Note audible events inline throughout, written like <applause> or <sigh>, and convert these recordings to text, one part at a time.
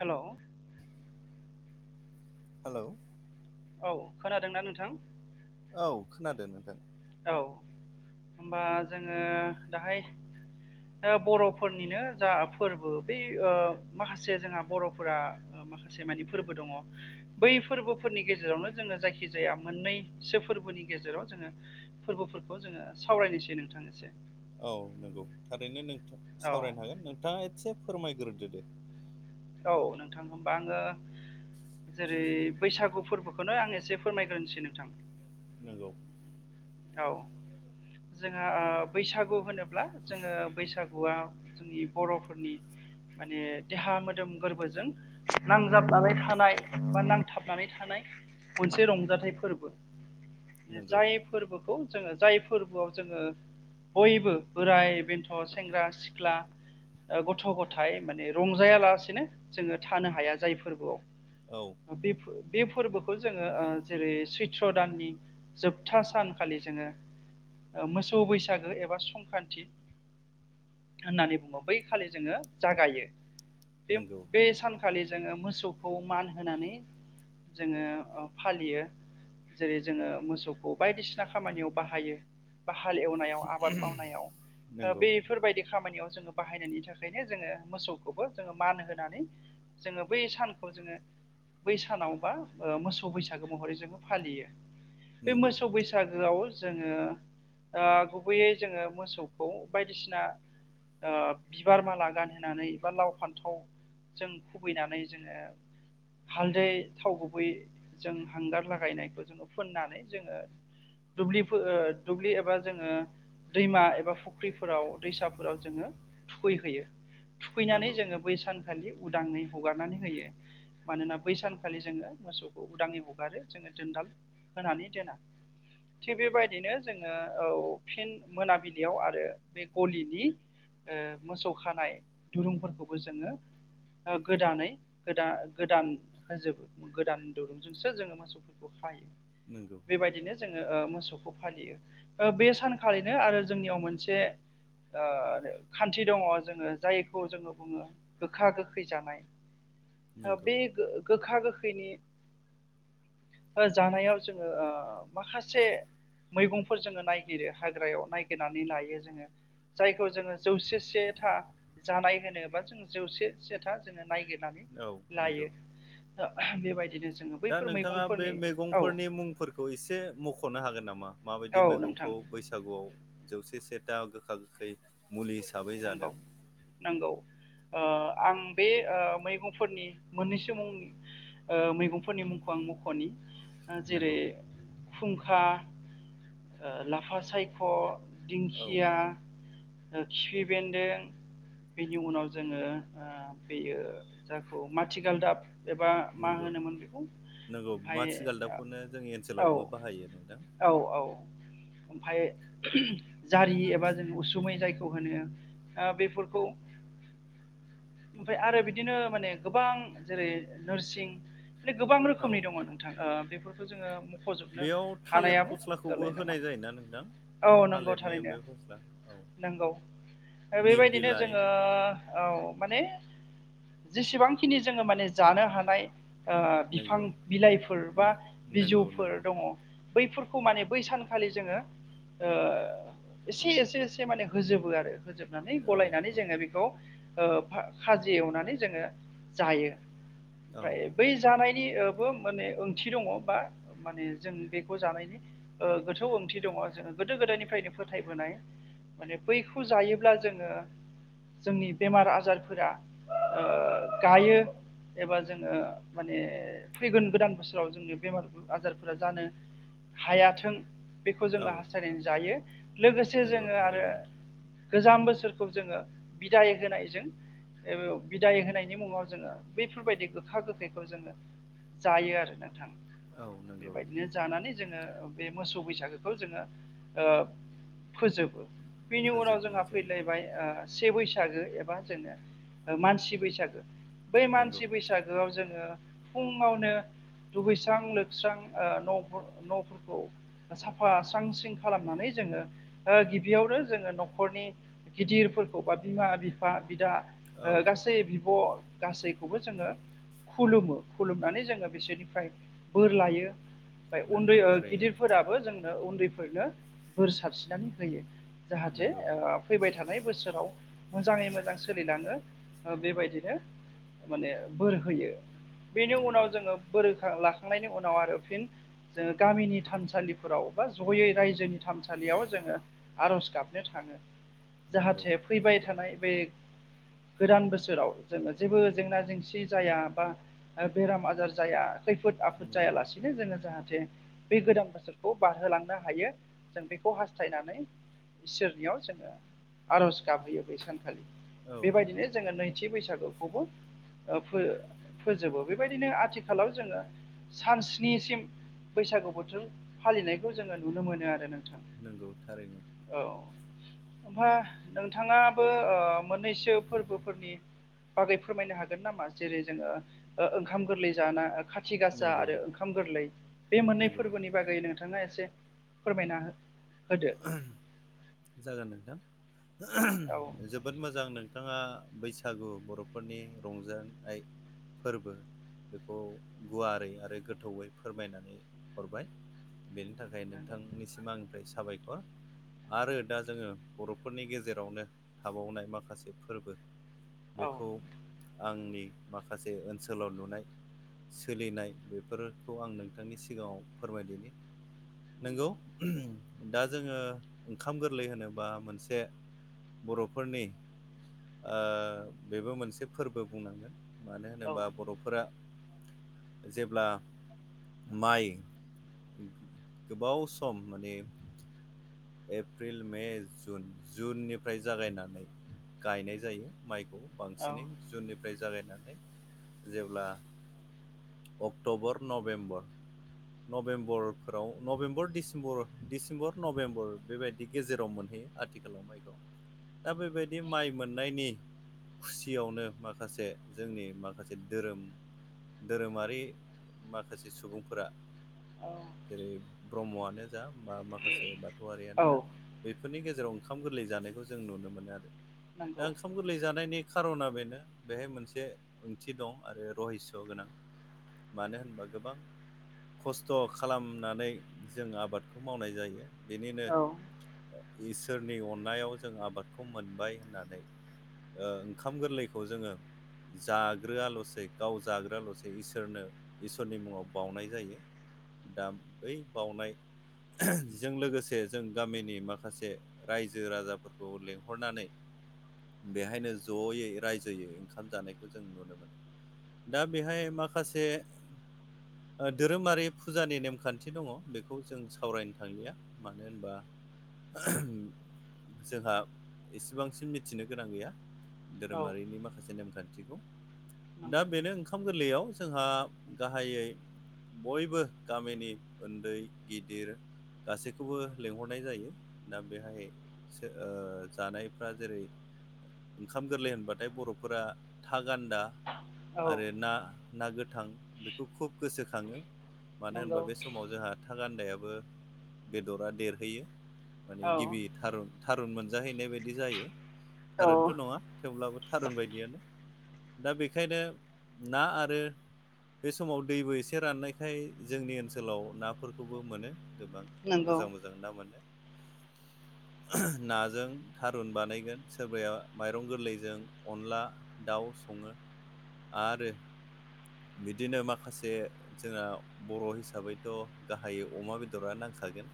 हेल'! Hello! औ खोनादोंनाा नोंथां? औ खोनादों नोंथां। औ होनबा जोङो दाहाय बर'फोरनिनो जा फोरबो बै माखासे जोंहा बर'फोरा माखासे माने फोरबो दङ बै फोरबोफोरनि गेजेरावनो जोङो जायखि जाया मोननैसो फोर बोनि गेजेराव जोङो फोरबोफोरखौ जोङो सावरायनोसै नोंथां एसे। औ नोंगौ थारैनो नोंथा औ सावरायनो हागोन नोंथाङा एसे फोरमायग्रो दो। औ नोंथां होमबा आङो जेरै बैसागु फोरबोखौनो आं एसे फोरमायग्रोनसै नोंथां‌। नोंगौ। औ जोंहा आ बैसागु होनोब्ला जोङो बैसागुआ जोंनि बर'फोरनि माने देहा मोदोम गोरबोजों नां जाबनानै थानाय बा नांथाबनानै थानाय मोनसे रंजाथाइ फोरबो। नोंगौ। फोरखौ जोङो जाय फोरबोआव जोङो बयबो बोराय बेन्थ' सेंग्रा सिख्ला गथ' गथाइ माने रंजाया लासेनो जोङो थानो हाया जाय फोरबोआव। औ बि फो बि फोरबोखौ जोङो जेरै सैथ्र दाननि जोबथा सानखालि जोङो मोसौ बैसागो एबा संक्रान्ति होननानै बुङो। बै खालि जोङो जागायो। बे नंगौ बे सान खालि जोङो मोसौखौ मान होनानै जोङो फालियो जेरै जोङो मोसौखौ बायदिसिना खामानियाव बाहायो बा हाल एवनायाव आबाद मावनायाव नंगौ बेफोरबायदि खामानियाव जोङो बाहायनायनि थाखायनो जोङो मोसौखौबो जोङो मान होनानै जोङो बै सानखौ जोङो बै सानाव बा ओ मोसौ बैसागो महरै जोङो फालियो। बे नोंगौ। मोसौ बैसागोआव जोङो आ गुबैयै जोङो मोसौखौ बायदिसिना ओ बिबार माला गानहोनानै बा लाव फान्थाव जों खुबैनानै जोङो हालदै थाव गुबै जों हांगार लागायनायखौ जोङो फुननानै जोङो दुब्लिफो दुब्लि एबा जोङो दैमा एबा फुख्रिफोराव दैसाफोराव जोङो थुखैहैयो। थुखैनानै नंगौ जोङो बै सानखालि उदाङै हगारनानै होयो। मानोना बै सानखालि जोङो मोसौखौ उदाङै हगारो जोङो जोनदाल होनानै दोना‌। <inaudible> थिग बेबायदिनो जोङो औ फिन मोनाबिलियाव आरो बे गलिनि ओ मोसौ खानाय दुरुंफोरखौबो जोङो ओ गोदानै गोदा गोदान होजोब गोदान दुरुंजोंसो जोङो मोसौफोरखौ खायो। नोंगौ। बेबायदिनो जोङो ओ मोसौखौ फालियो बे सानखालिनो आरो जोंनियाव मोनसे ओ खान्थि दङ। जोङो जायखौ जोङो बुङो गोखा गोखै जानाय। ओ नंगौ बे गोखा गोखैनि ओ जानायाव जों ओ माखासे मैगंफोर जोङो नायगिरो हाग्रायाव नायगिरनानै लाइयो जोङो जायखौ जोङो जौसे से था जानाय होनोबा जों जौसे से था जोङो नायगिर नानै औ लाययो नंगौ बेबायदि दा नोंथाङा बे मैगंफोरनि मुंफोर खौ एसे मख'नो हागोन नामा औ माबायदि नोंथां मैगंखौ बैसागुआव जौसे सेथा गोखा गोखै मुलि हिसाबै जादों। नोंगौ ओ आं ओ बे मैगंफोरनि मोननैसो मुं ओ मैगंफोरनि मुंखौ आं मख'नि जेरै नंगौ खुंखा, ओ लाफा सायख', औ दिंखिया, ओ खिफि बेन्दों बेनि उनाव जोङो ओ बेयो जायखौ माथिगालदाब एबा मा नंगौ होनोमोन बेखौ नंगौ ओमफ्राय माथि गालदाबखौनो जोंनि औ ओनसोलावबो बाहायो नोंथां औ औ ओमफ्राय जारि एबा जों उसुमै जाय खौ होनो बेफोरखौ ओमफ्राय आरो बिदिनो माने गोबां जेरै नोरसिं माने गोबां औ रोखोमनि दङ नोंथां बेफोरखौ जोङो मुख'जोबनो बेयाव थालिर हानायाबो फस्लाखौबो गोरलै नङा। होनाय जायोना नोंथां औ नंगौ थालिरनि थारैनो बे फस्ला औ नंगौ ओ निम बेबायदिनो बिलाइ जोङो औ माने जेसेबांखिनि जोङो माने जानो हानाय ओ बिफां नंगौ बिलाइफोर बा नंगौ बिजौफोर नंगौ दङ बैफोरखौ माने बै सानखालि जोङो ओ एसे एसे एसे माने होजोबो आरो। होजोबनानै औ गलायनानै जोङो औ बेखौ ओ फा-खाजि एवनानै जोङो जायो। ओमफ्राय औ बै जानाय याबो माने ओंथि दङ बा माने जों बेखौ जानायनि ओ गोथौ ओंथि दङ। जोङो गोदो गोदायनिफ्रायनो फोथायबोनाय माने बैखौ जायोब्ला जोङो जोंनि बेमार आजारफोरा ओ गायो। एबा जोङो माने फैगोन गोदान बोसोराव जोंनि बेमार आजारफोरा जानो हायाथों बेखौ जोङो औ हास्थायनानै जायो लोगोसे नंगौ जोङो आरो थारैनो गोजाम बोसोर फोर खौ जोङो बिदाय होनाय जों बिदाय होनायनि मुङाव जोङो बैफोरबायदि गोखा गोखैखौ जोङो जायो आरो नोंथां औ नंगौ बेबायदिनो जानानै जोङो बे मोसौ बैसागोखौ जोङो ओ फोजोबो बिनि उनाव जोंहा फोजोबनाय जायो फैलायबाय ओ से बैसागो एबा जोङो ओ मानसि बैसागो बै नंगौ मानसि बैसागोआव जों फुङावनो दुगैस्रां लोबस्रां ओ न' न'फोरखौ साफा स्रां स्रिं खालामनानै जोङो ओ गिबियावनो जोङो न'खरनि गिदिरफोरखौ बा बिमा बि फा बिदा औ गासै बिब' गासैखौबो जोङो खुलुमो खुलुमनानै जोङो बिसोरनिफ्राय बोर लायो। ओमफ्राय नंगौ उन्दै ओ थारैनो गिदिरफोराबो जोंनो उन्दैफोरनो बोर सारस्रिनानै होयो। जाहाथे नंगौ ओ फैबाय थानाय बोसोराव मोजाङै मोजां सोलिलाङो ओ बेबायदिनो माने बोर होयो। बेनि उनाव नंगौ जोङो बोरै बोर लाखांनायनि उनाव आरो फिन जोङो गामिनि थानसालिफोराव बा जयै रायजोनि थानसालियाव जोङो आर'ज गाबनो था ङो नंगौ जाहाथे फैबाय थानाय बे गोदान बोसोराव जोङो जेबो जेंना जेंसि जाया बा बेराम आजार जाया खैफोद आफोद नंगौ जायालासिनो जोङो जाहाथे जे बे गोदान बोसोरखौ बारहोलांनो हायो जों बेखौ हास्थायनानै इसोरनियाव जोङो आर'ज गाबहोयो बे सान औ नंगौ बेबायदिनो जोङो नोंथां नैथि बैसागुखौबो फो-फोजोबो बेबायदिनो आथिखालाव जोङो सान स्निसिम बैसागु बोथोर फालिनायखौ जोङो नुनो मोनो आरो ना नंगौ थारैनो ओमफ्राय नोंथाङाबो मोननैसो फोरबोफोरनि बागै फोरमायनो हागोन नामा जेरै जोङो ओंखाम गोरलै जाना खाथि गासा नंगौ आरो ओंखाम गोरलै बे मोननै नंगौ फोरबोनि बागै नोंथाङा नोंथाङा एसे फोरमायना हो होदो जागोन नोंथां औ जोबोद मोजां नों बिथाङा बैसागु बर'फोरनि रंजानाय फोरबो बेखौ गुवारै आरो गोथौयै फोरमायनानै हरबाय बेनि थाखाय नंगौ नोंथांनिसिम आंनिफ्राय साबायखर आरो दा जोङो बर'फोरनि गेजेरावनो थाबावनाय माखासे फोरबो औ बेखौ आंनि माखासे ओनसोलाव नुनाय सोलिनाय बेफोरखौ आं नोंथांनि सिगाङाव फोरमायदिनि नोंगौ नंगौ दा जोङो ओंखाम गोरलै होनोबा मोनसे बर'फोरनि बेबो मोनसे फोरबो बुंनांगोन मानो होनोबा बर'फोरा जेब्ला माइ गोबाव सम माने एप्रिल मे जुन जुननिफ्राय जागायनानै गायनाय जायो माइ खौ औ बांसिनै जुननिफ्राय जागायनानै जेब्ला अक्ट'बर नभेम्बर नभेम्बरफोराव नभेम्बर दिसेम्बर डिसेम्बर नभेबर बेबायदि गेजेराव मोनहैयो आथिखालाव माइखौ दा बेबायदि माइ मोननायनि खुसियावनो माखासे जोंनि माखासे धोरोम धोरोमारि माखासे सुबुंफोरा जेरै ब्रह्मआनो जा बा माखासे बा थौवरियानो औ जा बेफोरनि गेजेराव ओंखाम गोरलै जानायखौ जों नुनो मोनो आरो नंगौ दा ओंखाम गोरलै जानायनि खारना बेनो बेहाय मोनसे ओंथि दं आरो रहिस्स गोनां मानो होनबा गोबां खस्थ खालामनानै जों आबादखौ मावनाय जायो बेनिनो औ इसोरनि अननायाव जों आबादखौ मोनबाय होननानै ओ ओंखाम गोरलैखौ जोङो जाग्रोआलसै गाव जाग्रोलसै इसोरनो इसोरनि मुङाव बाउनाय जायो दा बै बावनाय जों लोगोसे जों गामिनि माखासे रायजो राजाफोरखौ लेंहरनानै बेहायनो जयै रायजोयै ओंखाम जानायखौ जों नुनो मोनो दा बेहाय माखासे ओ धोरोमारि फुजानि नेमखान्थि दङ बेखौ जों सावरायनो थांलिया मानो होनबा जोंहा एसेबांसिम मिथिनो गोनां गैया औ धोरोमारिनि माखासे नेमखान्थिखौ दा नंगौ बेनो ओंखाम गोरलैयाव जोंहा गाहायै बयबो गामिनि ओन्दै गिदिर गासैखौबो लेंहरनाय जायो दा बेहाय सो ओ जानायफ्रा जेरै ओंखाम गोरलै होनबाथाय बर'फोरा था गान्दा औ आरो ना ना गोथां बेखौ खुब गोसोखाङो। मानो होनबा नंगौ बे समाव जोंहा था गान्दायाबो बेदरा देरहैयो। माने औ गिबि थारुन थारुन मोनजाहैनाय बायदि जायो औ थारुन नङा। थेवब्लाबो थारुन बायदियानो दा बेखायनो ना आरो। बे समाव दैबो एसे राननायखाय जोंनि ओनसोलाव नाफोरखौबो मोनो गोबां नंगौ मोजां मोजां ना मोनो <inaudible> नाजों थारुन बानायगोन सोरबाया माइरं गोरलैजों अनला दाउ सं आरो बिदिनो माखासे जोंना बर हिसाबैथ गाहायै अमा बेदरा नांखा गोन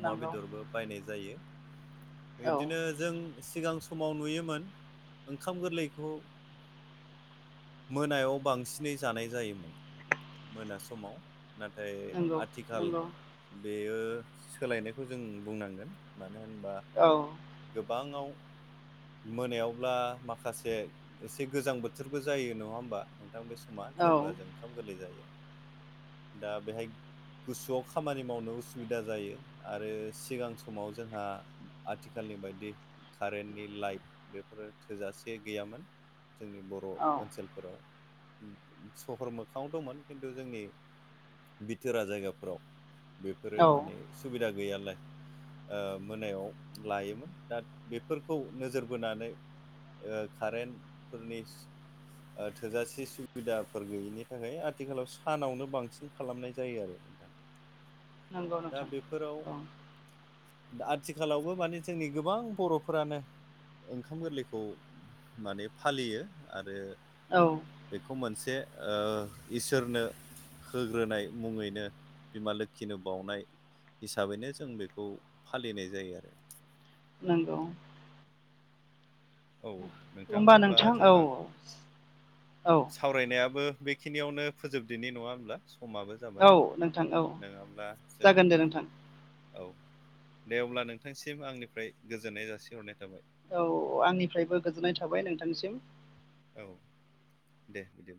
अमा नंगौ बेदरबो बायनाय जायो औ इदिनो जों सिगां समाव नुयोमोन ओंखाम गोरलैखौ मोनायाव बांसिनै जानाय जायोमोन मोना समाव ना? नाथाय नंगौ आथिखाल नंगौ बेयो सोलायनायखौ जों बुंनांगोन मानो होनबा? औ गोबाङाव मोनायावब्ला माखासे एसे गोजां बोथोरबो जायो नङा होमबा नोंथां बे सम मा औ जेब्ला जों ओंखाम गोरलै जायो दा बेहाय। गुसुआव खामानि मावनो उसुबिदा जायो आरो सिगां समाव जोंहा आथ आथिखालनि बायदि कारेन्टनि लाइट बेफोरो थोजासे गैयामोन। जोंनि बर' औ ओनसोलफोराव। सहर मोखाङाव दंमोन खिन्थु जोंनि बिथोरा जायगाफोराव। बेफोरो औ माने सुबिदा गैयालाय ओ मोनायाव। लायोमोन दा बेफोरखौ नोजोर बोनानै ओ कारेन्टफोरनि ओ थोजासे सुबिदाफोर गैयिनि थाखाय आथिखालाव सानावनो बांसिन खालामनाय जायो आरो। नोंथां <unintelligible> नंगौ दा नोंथां, बेफोराव औ। आथिखालावबो माने जोंनि गोबां बर'फोरानो ओंखाम गोरलैखौ माने फालियो आरो औ। खौ मोनसे ओ इसोरनो होग्रोनाय मुङैनो बिमा लोखिनो बावउनाय हिसाबैनो जों बेखौ फालिनाय जायो आरो। नंगौ। औ नोंथां होमबा अब्ला औ जोंहा औ सावरायनायाबो बेखिनियावनो फोजोबदोनि नङा होमब्ला। समाबो जाबाय औ नोंथां औ नङाब्ला जों जागोन दे नोंथां। औ दे अब्ला नोंथांसिम आंनिफ्राय गोजोननाय जासिहरनाय थाबाय। औ आंनिफ्रायबो गोजोननाय थाबाय नोंथांनिसिम। औ दे बिदिबा।